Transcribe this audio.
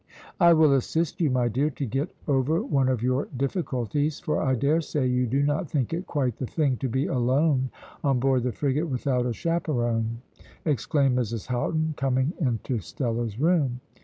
"I will assist you, my dear, to get over one of your difficulties, for I dare say you do not think it quite the thing to be alone on board the frigate without a chaperone," exclaimed Mrs Houghton, coming into Stella's room.